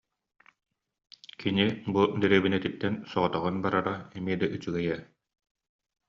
Кини бу дэриэбинэтиттэн соҕотоҕун барара эмиэ да үчүгэй ээ